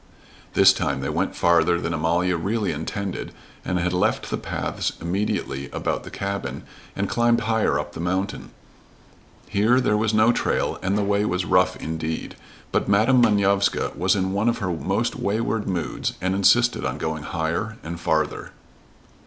This time they went farther than Amalia really intended, and had left the paths immediately about the cabin, and climbed higher up the mountain. Here there was no trail and the way was rough indeed, but Madam Manovska was in one of her most wayward moods and insisted on going higher and farther.